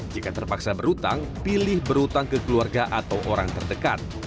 jika terpaksa berhutang pilih berhutang ke keluarga atau orang terdekat